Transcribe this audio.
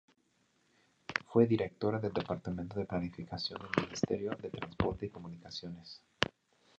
Fue directora del Departamento de Planificación del Ministerio de Transporte y Comunicaciones.